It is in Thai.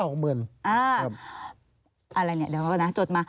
อ้าอะไรเนี่ยเดี๋ยวก่อนนะจดมา